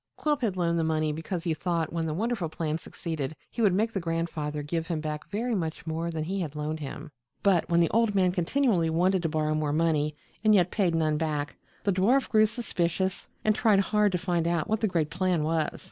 Quilp had loaned the money because he thought when the wonderful plan succeeded he would make the grandfather give him back very much more than he had loaned him. But when the old man continually wanted to borrow more money and yet paid none back, the dwarf grew suspicious and tried hard to find out what the great plan was.